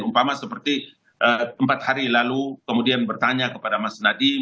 umpama seperti empat hari lalu kemudian bertanya kepada mas nadiem